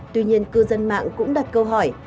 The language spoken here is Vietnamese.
tuy nhiên cư dân mạng cũng đặt câu hỏi